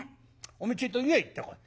おめえちょいと湯へ行ってこい。